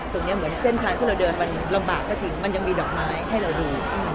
เหมือนเส้นทางที่เราเดินมันลำบากก็จริงมันยังมีดอกไม้ให้เราดู